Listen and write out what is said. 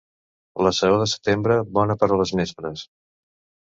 La saó de setembre, bona per a les nespres.